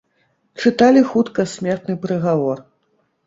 Чыталі хутка смертны прыгавор.